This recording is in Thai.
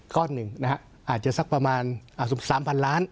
ก้อนหนึ่งนะฮะอาจจะสักประมาณ๑๓พันล้าน